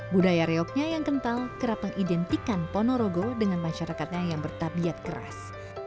budaya reoknya yang kental kerap mengidentikan ponorogo dengan masyarakatnya yang bertabiat keras